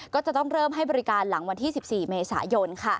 ก็จะต้องเริ่มให้บริการหลังวันที่๑๔เมษายน